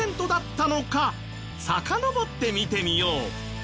さかのぼって見てみよう。